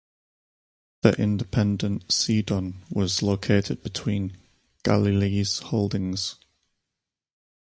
The independent Sidon was located between Galilee's holdings.